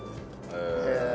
へえ。